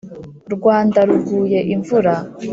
rwanda ruguye imvura,